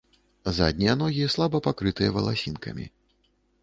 Заднія ногі слаба пакрытыя валасінкамі.